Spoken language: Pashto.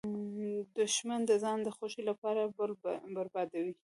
دښمن د ځان د خوښۍ لپاره بل بربادوي